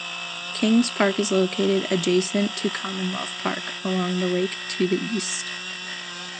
Kings Park is located adjacent to Commonwealth Park, along the lake to the east.